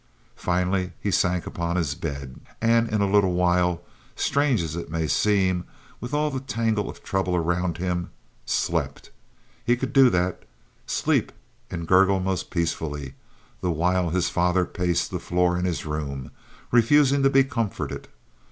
Finally he sank upon his bed, and in a little while, strange as it may seem, with all the tangle of trouble around him, slept. He could do that—sleep and gurgle most peacefully, the while his father paced the floor in his room, refusing to be comforted.